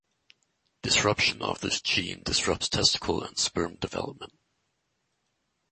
Disruption of this gene disrupts testicle and sperm development.